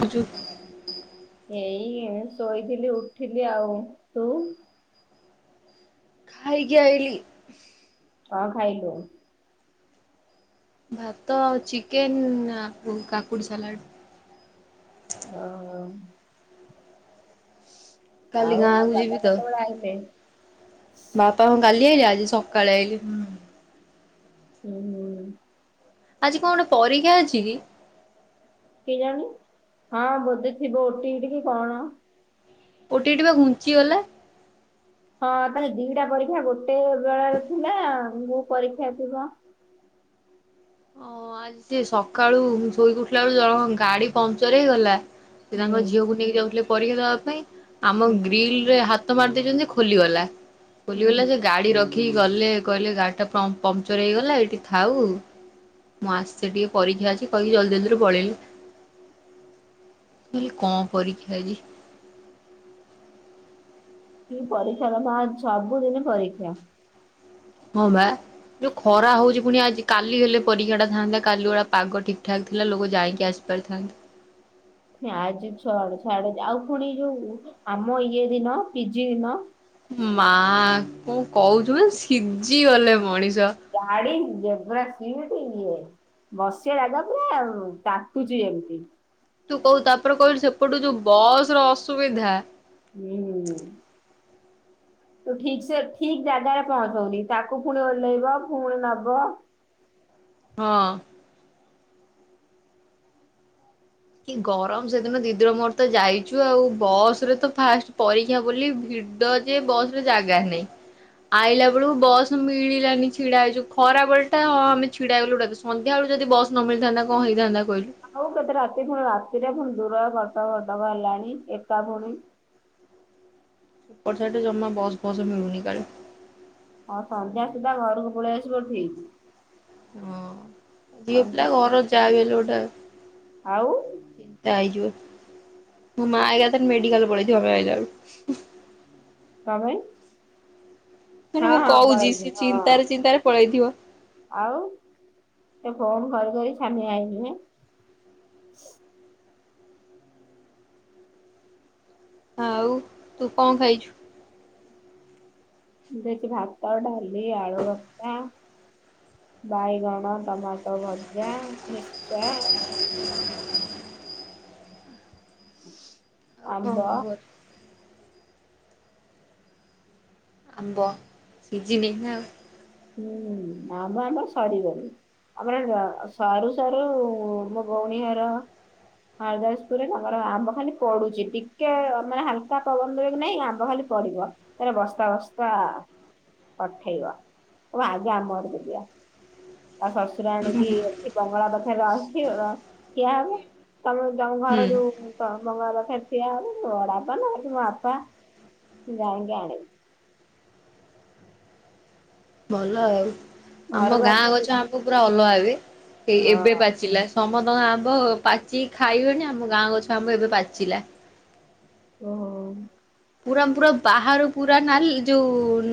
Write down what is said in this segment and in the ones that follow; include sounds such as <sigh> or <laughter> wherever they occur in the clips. ଗୁ ଯୁ ଏଇ ଶୋଇଥିଲି ଉଠିଲି ଆଉ ତୁ? ଖାଇକି ଆଇଲି। କଣ ଖାଇଲୁ? ଭାତ ଆଉ ଚିକେନ୍ କାକୁଡ଼ି ସାଲାଡ଼। ଅ ଅ କାଲି ଆଉ ଗାଁକୁ ବାପା ଯିବି ତ? କେତେବେଳେ ଆଇଲେ? ବାପା ହଁ କାଲି ଆଇଲେ ଆଜି ସକାଳେ ଆଇଲେ। ହୁଁ ହୁଁ <unintelligible> ଆଜି କଣ ଗୋଟେ ପରୀକ୍ଷା ଅଛି କି? କେଜାଣି ହଁ ବୋଧେ ଥିବ ଓଟି ଇଟି କଣ? ଓଟୀ ଇଟି ବା ଘୁଞ୍ଚିଗଲା। ହଁ ତାହେଲେ ଦିଟା ପରୀକ୍ଷା ଗୋଟେ ବେଳାରେ ଥିଲା ମୁଁ ପରୀକ୍ଷା ଥିବ। ଓ ଆଜି ସକାଳୁ ଶୋଇକି ଉଠିଲା ବେଳକୁଜଣକ ଗାଡ଼ି ପଂଚର ହେଇଗଲା। ସେ ହୁଁ ତାଙ୍କ ଝିଅକୁ ନେଇକି ଯାଉଥିଲେ ପରୀକ୍ଷା ଦବା ପାଇଁ ଆମ ହୁଁ ଗ୍ରୀିଲ ରେ ହାତ ହାତ ମାରି ଦେଇଛନ୍ତି ଯେ ଖୋଲିଗଲା ହୁଁ ହୁଁ ଖୋଲିଗଲା ଯେ ଗାଡି ରଖି କି ଗଲେ କହିଲେ ଗାଡି ଟା ପଂଚର ହେଇଗଲା ଏଇଠି ଥାଉ ମୁଁ ଆସେ ଟିକେ ପରୀକ୍ଷାଅଛି କହିକି ଜଲଦି ଜଲଦି ରୁ ପଳେଇଲେ। ବୋଲି କଣ ପରୀକ୍ଷା ଆଜି? କି ପରୀକ୍ଷା ଦବ <unintelligible> ସବୁଦିନ ପରୀକ୍ଷା ହଁ ବା ଯୋଉ ଖରା ହଉଛି ପୁଣି ଆଜି କାଲି ହେଲେ ପରୀକ୍ଷା ଟା ଥାନ୍ତା କାଲି ଭଳିଆ ପାଗ ଠିକ୍ ଠାକ୍ ଥିଲା ଲୋକ ଯାଇକି ଆସି ପ୍ରଥନ୍ତ <unintelligible> ଆଜି ଛ ଛାଡେ ଛାଡେ ଆଉ ଫୁଣି ଯୋଉ ଆମ ଇଏ ଦିନ ପିଜି ଦିନ ମା କଣ କହୁଛୁ ବେ ସିଝି ଗଲେ ମଣିଷ। ଗାଡ଼ିଜେବେରା ସିଟି ଇଏ ବସିିବା ଜାଗା ପୁରା ତାଟୁଛି ଏମତି ତୁ କହୁ ତାପରେ କହିଲୁ ସେପଟୁ ଯୋଉ ବସ ର ଅସୁବିଧା ହୁଁ। ତୁ ଠିକ ସେ ଠିକ ଜାଗାରେ ପହଞ୍ଚଉନି ତାକୁ ଫୁଣି ଓହ୍ଲେଇବ ଫୁଣି ନବ ହଁ। କିଗରମ ସେଦିନ ଦିଦିର ମୋର ତ ଯାଇଛୁ ଆଉ ବସ ରେ ତ ଫାଷ୍ଟ ପରୀକ୍ଷା ବୋଲି ଭିଡ଼ ଦଜ <unintelligible> ବସରେ ଜାଗା ହିଁ ନାଇଁ ଆଇଲା ବେଳକୁ ବସ୍ ମିଳିଲାନି ଛିଡ଼ା ହେଉଛୁ। ଖରା ବେଳ ଟା ଆମେ ଛିଡ଼ା ହେଇଗଲୁ ସନ୍ଧ୍ୟାବେଳୁ ଯଦି ବସ ନ ମିଳିଥାନ୍ତା, କଣ ହେଇଥାନ୍ତା କହିଲୁ? ଆଉ କେତେ ରାତି ଫୁଣି, ରାତିରେ ଫୁଣି ଦୂର କଟକ କଟକ ହେଲାଣି ଏକା ଫୁଣି। ଉପର ସାଇଡ ରେ ଜମା ବସ୍ ଫସ୍ ମିଳୁନି, କାର ହଁ, ସନ୍ଧ୍ୟା ସୁଧା ଘରକୁ ପଳେଇ ଆସିବ ଠିକ୍। ହଁ, ଝିଅ ଏମିତି ପିଲା କର ଘର, ଯାହାବି ହେଲେ ଗୋଟେ। ଆଉ ହେଇ <unintelligible> ମୋ ମା ଇଆଡ଼େ ମେଡିକାଲ ପଳେଇଥିବ, ଆମେ ଆଇଲା ବେଳକୁ। କଣ ପାଇଁ? ନହେଲେ ମୁଁ କଉଚି, ସ ପଳେଇବି ସେ ହଁ ଚିନ୍ତାରେ ଚିନ୍ତାରେ ପଳେଇଥିବ। ଆଉ, ସେ ଫୋନ କରି କରି ଛାନିଆ ହେଇଯିବେ। ଆଉ ତୁ କଣ ଖାଇଛୁ? ଦେଇଚି ଭାତ, ଡାଲି, ଆଳୁ ଭରତା, ବାଇଗଣ, ଟମାଟୋ ଭଜା, ମିଶ୍ଚର। ଆଉ କଣ ଆମ୍ବ ଖବର? ଆମ୍ବ ସିଜିିନେନା <unintelligible> ହୁଁ, ଆମ୍ୱ ଆମର ସରିଗଲାଣି। ଆମର ନୂଆ ସରୁ ସରୁ ମୋ ଭଉଣୀ ଘର ହରିଦାସପୁରରେ ତାଙ୍କର ଆମ୍ବ ଖାଲି ପଡୁଛି, ଟିକେ ମାନେ ହାଲକା ପବନ ଦେବ କିନାଇଁ ଆମ୍ବ ଖାଲି ପଡିବ। ଇଆଡ଼େ ବସ୍ତା ବସ୍ତା ପଠେଇବ। ହଉ, ଆଗେ ଆମ ଘରକୁ ଦିଅ। ତା ଶଶୁର ଆଣିକି ଏଠି ବଙ୍ଗଳା ପାଖରେ ରହିକି <unintelligible> ଠିଆ ହବ ତମର ତମ ହୁଁ ଘର ଯୋଉ ହ ବଙ୍ଗଳା ପାଖରେ ଠିଆ ହବୁ, ଆଉ ମୋ ବଡାପା ନାଠି ମୋ ବାପା ମୁ ଯାଇକି ଆଣିବି। <unintelligible> ଭଲ ଆଉ। ଆମ ଘରକୁ ଗାଁ ଆସିଲେ ଗଛ ଆମ୍ବ ପୁରା ଅଲଗା ହେ, ହଁ ଏବେ ପାଚିଲା। ସମସ୍ତଙ୍କ ଆମ୍ବ ପାଚିକି ଖାଇବେଣି। ଆମ ଗାଁ ଗଛ ଆମ୍ବ ଏବେ ପାଚିଲା। ଓହୋ। ପୁରା ପୁରା ବାହାରୁ ପୁରା ନାଲ ଯୋଉ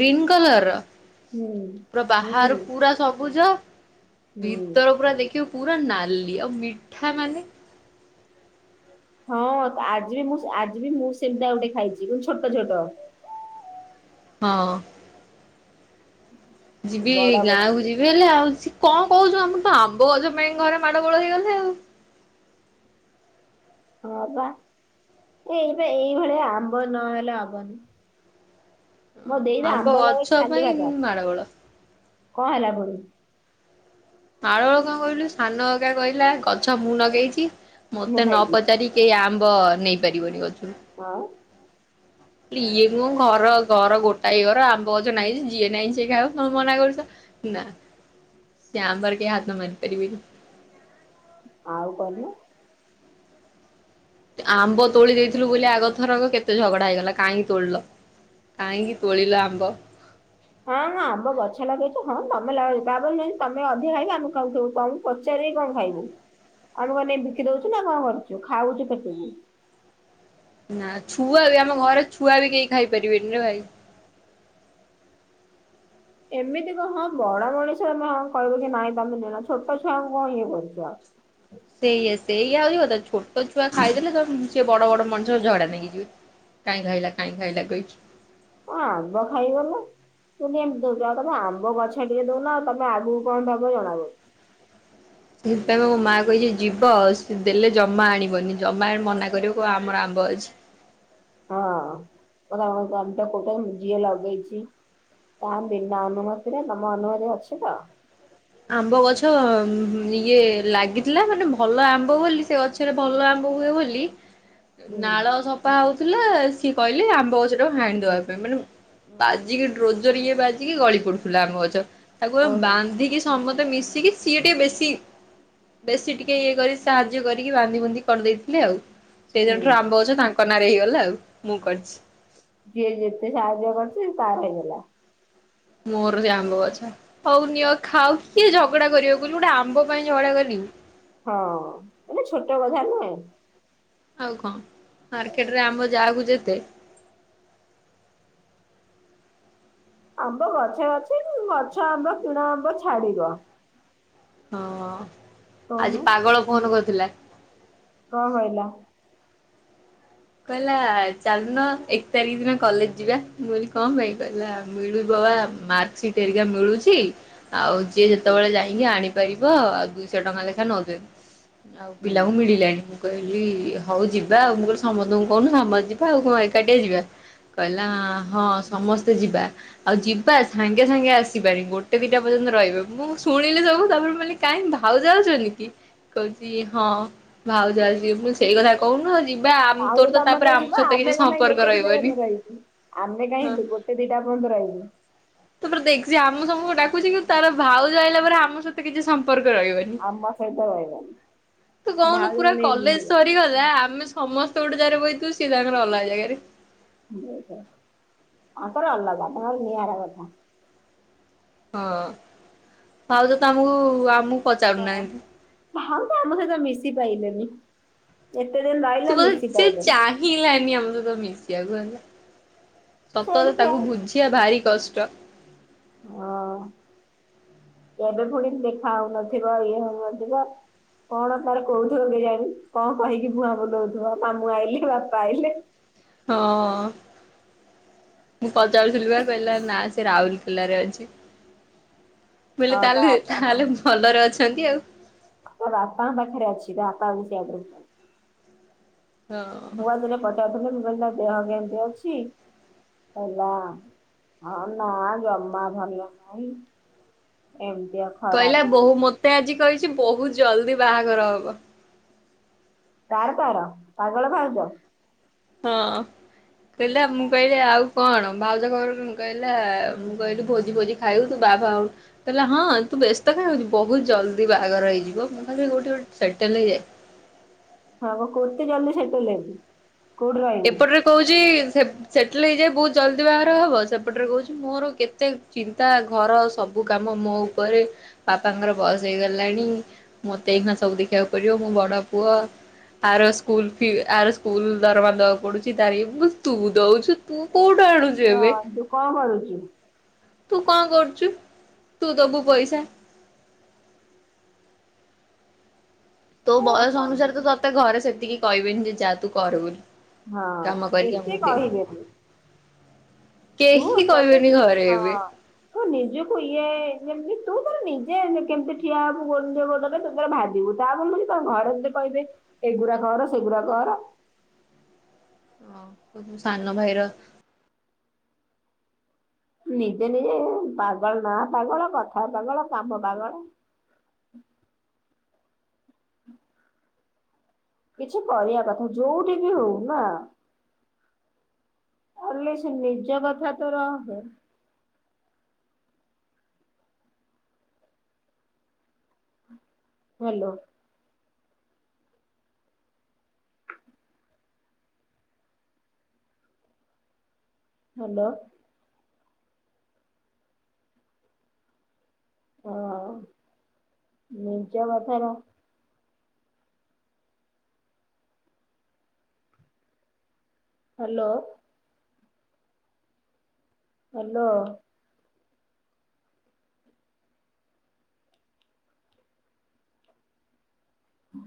ଗ୍ରୀନ କଲର ର ହୁଁ ପୁରା ହୁଁ ବାହାରୁ ପୁରା ସବୁଜ, ହୁଁ। ଭିତର ପୁରା ଦେଖିବ ପୁରା ନାଲି, ଆଉ ମିଠା ମାନେ ହଁ, ଆଜି ବି ମୁଁ, ଆଜି ବି ମୁଁ ସେମିତି ଆଉ ଗୋଟେ ଖାଇଛି, କିନ୍ତୁ ଛୋଟ ଛୋଟ। ହଁ ଯିବି ବଡ ବଡ ଗାଁ କୁ ଯିବି ଭାରି, ଆଉ କଣ କହୁଛୁ? ଆମର ତ ଆମ୍ବ ଗଜ ପାଇଁ ଘରେ ମାଡ ଗୋଳ ହେଇଗଲେ ଆଉ। ହଁ, ପା। ଏଇବେ ଏଇଭଳିଆ ଆମ୍ବ ନହେଲେ ହବନି ମୋ ଦେଇର ଆମ୍ବ ଲଗେଇ ଗଛ ଖାଲି ପାଇଁ ଭାତ। ମାଡ଼ଗୋଳ କଣ ହେଲା ପୁଣି? ମାଡଗୋଳ କଣ କହିଲୁ? ସାନ ଅଜା କହିଲା, ଗଛ ମୁଁ ଲଗେଇଛି। ମୁଁ ମତେ ନ ଖାଇବି ପଚାରି କେହି ଆମ୍ବ ନେଇ ପାରିବନି ଗଛରୁ। ହଁ ଇଏ କୁ ଘର ଘର ଗୋଟାଇ ଘର ଆମ୍ବ ଗଛ ନାଇଁ ଯେ ଯିଏ ନାଇଁ ସିଏ ଖାଉ, ତମେ ମନା କରୁଛ। ନା, ସେ ଆମ୍ବ ରେ କେହି ହାତ ମାରି ପାରିବେନି। ଆଉ କହନୁ <unintelligible> ଆମ୍ବ ତୋଳି ଦେଇଥିଲୁ ବୋଲି ଆଗ ଥରକ କେତେ ଝଗଡା ହୋଇଗଲା। କାହିଁକି ତୋଳିଲ? କାହିଁକି ତୋଳିଲ ଆମ୍ବ? ହଁ ହଁ ଆମ୍ବ ଗଛ ଲାଗେଇଛୁ ହଁ ତମେ ଲଗେଇ ତା ବୋଲି ତମେ ଅଧିକ ଖାଇକି ଆମେ ଖାଉଥିବୁ କମ। ପଚାରିକି କଣ ଖାଇବୁ ଆମେ କଣ ନେଇ ବିକି ଦଉଛୁ ନା କଣ କରୁଛୁ ଖାଉଛୁ ପେଟକୁୁ ନା ଛୁଆ ବି ଆମ ଘରେ ଛୁଆ ବି କେହି ଖାଇପାରିବେନି ରେ ଭାଇ ଏମିତି କ ହଁ ବଡ ମଣିଷ ହଁ କହିବୁ କି ନାଇଁ ତମେ ନିଅନା ଛୋଟ ଛୁଆକୁ କଣ ଇଏ କରଛ। ସେଇଆ ସେଇଆ ହଉଛି କଥା ଛୋଟ ଛୁଆ ଖାଇଦେଲେ ତ ସିଏ ବଡ ବଡ ମଣିଷ ଝଗଡା ଲାଗି ଯିବେ। କାଇଁ ଖାଇଲା କାଇଁ ଖାଇଲା କହିକି। ହ ଆମ୍ବ ଖାଇଗନୁ। ତୁ ଏମିତି ଦଉଛୁ ଆଉ ତମେ ଆମ୍ବ ଗଛ ଟିକେ ଦଉନ ତମେ ଆଗକୁ କଣ ଦବ ଜଣା ପଡୁଛି। ସେଥିପାଇଁ ମୋ ମା କହିଛି ଯିବ ସେ ଦେଲେ ଜମା ଆଣିବନି। ଜମା ଅନିବୁନି ମନା କରିବୁ ଆମର ଆମ୍ବ ଅଛି। ହଁ <unintelligible> କୋଟେ ଜିଏ ଲଗେଇଛି। ତା ବିନା ଅନୁମତିରେ ତମ ଅନୁମତି ଅଛି ତ। ଆମ୍ବ ଗଛ ଇଏ ଲାଗିଥିଲା ମାନେ ଭଲ ଆମ୍ବ ବୋଲି ସେ ଗଛ ସଥିରେ ଭଲ ଆମ୍ବ ହୁଏ ବୋଲି। <inaudible> ନାଳ ସଫା ହଉଥିଲା ସିଏ କହିଲେ ଆମ୍ବ ଗଛଟାକୁ ହାଣିଦବା ପାଇଁ ମାନେ ମୁଁ ବାଜିକି ଡ୍ରୋଜର ଇଏ ବାଜିକି ଗଳି ପଡୁଥିଲା ଆମ୍ବ ଗଛ ତାକୁ ଓହୋ ବାନ୍ଧିକି ସମତେ ମିଶିକି ସିଏ ଟିକେ ବେଶୀ ବେଶୀ ଟିକେ ଇଏ କରି ସାହାଯ୍ୟ କରିକି ବାନ୍ଧି ବୁନ୍ଧି କରିଦେଇଥିଲେ ଆଉ ସେଇ ହୁଁ। ଦିନଠାରୁ ଆମ୍ବ ଅଛ ତାଙ୍କ ନାଁରେ ହେଇଗଲା ଆଉ ମୁଁ କରିଛି। ଯିଏ ଯେତେ ସାହାଯ୍ୟ କରୁଛି ତାର ହେଇଗଲା। ମୋର ସେ ଆମ୍ବ ଗଛ ହଉ ନିଅ ଖାଉ କିଏ ଝଗଡା କରିବ କହିଲୁ ଗୋଟେ ଆମ୍ବ ପାଇଁ ଝଗଡା କରିବି। ହଁ ଏଟା ଛୋଟ କଥା ନୁହେଁ। ଆଉ କଣ ମାର୍କେଟରେ ଆମ୍ବ ଯାହାକୁ ଯେତେ। ଆମ୍ବ ଗଛେ ଅଛି ଗଛ ଆମ୍ବ କିଣା ଆମ୍ବ ଛାଡିବ। ହଁ ହଁ କହୁନୁ। ଆଜି ପାଗଳ ଫୋନ କରିଥିଲା। କଣ କହିଲା? କହିଲା ଚାଲୁନ ଏକ ତାରିଖ ଦିନ କଲେଜ ଯିବା ମୁଁ କହିଲି କଣ ପାଇଁ କହିଲା ମିଳିବ ବା ମାର୍କ ସିଟ ଘରିକା ମିଳୁଛି। ଆଉ ଯିଏ ହୁଁ ଯେତେବେଳେ ଯାଇକି ଆଣିପାରିବ ଆଉ ଦୁଇଶହ ଟଙ୍କା ଲେଖା ନଉଛନ୍ତି। ଆଉ ହୁଁ ପିଲାଙ୍କୁ ମିଳିଲାଣି ମୁଁ କହିଲି ହଉ ଯିବା ଆଉ ମୁଁ ସମସ୍ତଙ୍କୁ କହୁନୁ ସମସ୍ତେ ଯିବା ଆଉ କଣ ଏକାଟିଆ ଯିବା କହିଲା ହଁ ସମସ୍ତେ ଯିବା। ଆଉ ଯିବା ସାଙ୍ଗେ ସାଙ୍ଗେ ଆସିବାନି ଗୋଟେ ଦିଟା ପର୍ଯ୍ୟନ୍ତ ରହିବେ ମୁଁ ଶୁଣିଲି ସବୁ ତାପରେ କହିଲି କି କାଇ ଭାଉଜ ଆସୁନି କି? କହୁଛି ହଁ ଭାଉଜ ଅଛି ମୁଁ କହିଲି ସେଇ କଥା କହୁନୁ ଯିବା ଆଉ ଆହୁ ତମେ ତ ଯିବା ଆମେ କଣ ପାଇଁ ଗୋଟେ ଦିଟା ରହିବନି ଜାଙ୍କେ ରହିବୁ। ଆମେ ହଁ କାହିଁ ଗୋଟେ ଦିଟା ପଯ୍ୟନ୍ତ ରହିବୁ। ତାପରେ ଦେଖ ସିଏ ଆମକୁ ସବୁକୁ ଡାକୁଛି କିନ୍ତୁ ତାର ଭାଉଜ ଆଇଲା ପରେ ଆମ ସହିତ କିଛି ସମ୍ପର୍କ ରହିବନି। ଆମ ସହିତ ରହିବନି। ତୁ କହୁନୁ ଭାଉଜଙ୍କୁ ପୁରା ନେଇ କଲେଜ ସରିଗଲା ଆମେ ସ ସମସ୍ତେ ଗୋଟେ ଜାଗାରେ ବଇଥିବୁ ସିଏ ତାଙ୍କର ଅଲଗା ଜାଗାରେ। ତାଙ୍କର ଅଲଗା ତାଙ୍କର ନିଆରା କଥା। ହଁ ଭାଉଜ ତ ଆମକୁ ଆମକୁ ହଁ ପଚାରୁନାହାନ୍ତି। ହଁ ପା ଆମ ସହିତ ମିଶି ପାଇଲେନି। ଏତେ ଦିନ ରହିଲା ମିଶି ପାଇଲେନି। କିଏ ଆଇଲାନି ଆମ ସହିତ ମିଶିବାକୁ ହେଲେ ସତ ସେଇଠି କଥା ଠିଆ ତାକୁ ବୁଝି ବା ଭାରି କଷ୍ଟ ହଁ ଏବେ ପୁଣି ଦେଖା ହଉନଥିବ ଇଏ ହଉନଥିବ କଣ ତାର କହୁଉଥିବ କେ ଜାଣି କଣ କହିକି ଭୁଆଁ ବୁଲଉଥିବ ମାମୁଁ ଆଇଲେେ ବାପା ଆଇଲେ ହଁ। ମୁଁ ପଚାରୁଥିଲି ବା କହିଲା ନା ସେ ରାଉଲକେଲାରେ ଅଛି। ହଁ ବୋଇଲେ ତା ତାହାଲେ ବାପା ତାହେଲେ ଭଲରେ ଅଛନ୍ତି ଆଉ। ମୋ ବାପାଙ୍କ ପାଖରେ ଅଛି ତ ବାପା <unintelligible> ହଁ। ମୁଁ ପା ଦିନେ ପଚାରୁଥିଲି ମୁଁ କହିଲି ତମ ଦେହ କେମିତି ଅଛି କହିଲା ହଁ ନା ଜମା ଭଲ ନାହିଁ। ଏମତିଆ କହିଲା ବୋଉ ମତେ ଆଜି କହିଚି ବହୁତ ଜଲ୍ଦି ବାହାଘର ହବ।। ତାର ତାର ପାଗଳ ଭାଉଜ ହଁ। କହିଲା ମୁଁ କହିଲି ଆଉ କଣ ଭାଉଜା ଖବର କଣ କହିଲା ମୁଁ କହିଲି ଭୋଜି ଫୋଜି ଖାଇବୁ ତୁ ବାହା ଫା ହୋଉ କହିଲା ହଁ ତୁ ବ୍ୟସ୍ତ କାଇଁ ହାଉଚୁ ବହୁତ ଜଲ୍ଦି ବାହାଘର ହେଇଯିବ ମୁଁ ଖାଲି କୋଉଠି ଗୋଟେ ସେଟେଲ୍ ହେଇଯାଏ। ହଁ ବା କୋଇତି ଜଲ୍ଦି ସେଟେଲ୍ ହେବି। ଏପଟରେ କହୁଚି ସେ ସେଟଲ୍ ହେଇଯାଇ ବହୁତ ଜଲ୍ଦି ବାହାଘର ହବ ସେପଟରେ କହୁଚି ମୋର କେତେ ଚିନ୍ତା ଘର ସବୁ ସବୁ କାମ ମୋ ଉପରେ ବାପାଙ୍କର ବୟସ ହେଇଗଲାଣି। ମତେ ଏଇଖିଣା ସବୁ ଦେଖିବାକୁ ପଡିବ ମୁଁ ବଡ ପୁଅ। ଆର ସ୍କୁଲ ଫି ଆର ସ୍କୁଲ ଦରମା ଦବାକୁ ପଡୁଚି ତାର ୟେ ତୁ ଦଉଚୁ ତୁ କୋଉଠୁ ଆଣୁଚୁ? ହଁ ଏବେ। ତୁ କଣ କରୁଚୁ? ତୁ କଣ କରୁଚୁ ତୁ ଦବୁ ପଇସା। ତୋ ଆଉ ବୟସ କଣ ଅନୁସାରେ ତ ତତେ ଘରେ ସେତିକି କହିବେନି ଯେ ଯା ତୁ କର ବୋଲି। ହଁ କାମ କରିକି ଏତେ ଆମକୁ ଦେ। କହିବେନି ତୁ କେହି ତତେ କହିବେନି ଘରେ ହଁ ଏବେ। ତୁ ନିଜକୁ ଇଏ ଯେମିତି ତୁ ତୋର ନିଜେ କେମିତି ଠିଆ ହବୁ ଗୋଟେ ଗୋଡ଼ରେ। ଟି ତୋର ଭାବିବୁ ତାବୋଲି ତ ତେ ଘରେ ତତେ କହିବେ ଏଗୁରା କର ସେ ସେଗୁରା କର। ହଁ <unintelligible> ସାନ ଭାଇ ର ନିଜେ ନିଜେ ପାଗଳ ନା ପାଗଳ କଥା ପାଗଳ କାମ ପାଗଳ କିଛି କରିବା କଥା ଯୋଉଠି ବି ହଉ ନା? କଲେ ସେ ନିଜ କଥା ତ ରଖେ। ହ୍ୟାଲୋ। ହ୍ୟାଲୋ। ହଁ ନିଜ ବାରତା ର ହ୍ୟାଲୋ। ହ୍ୟାଲୋ। ହୁଁ।